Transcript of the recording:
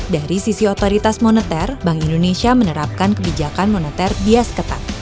dari sisi otoritas moneter bank indonesia menerapkan kebijakan moneter bias ketat